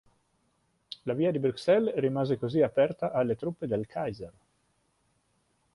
La via di Bruxelles rimase così aperta alle truppe del Kaiser.